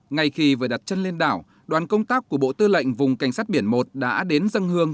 ngay khi vừa đặt chân lên đảo đoàn công tác của bộ tư lệnh vùng cảnh sát biển một đã đến dân hương